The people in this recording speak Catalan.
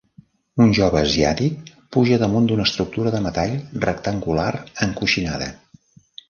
Un jove asiàtic puja damunt d'una estructura de metall rectangular encoixinada.